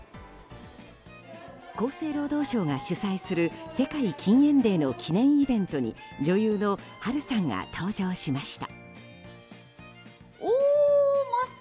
厚生労働省が主催する世界禁煙デーの記念イベントに女優の波瑠さんが登場しました。